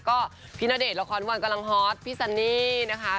ก็พี่ณเดชน์ละครวันกำลังฮอตพี่ซันนี่นะคะ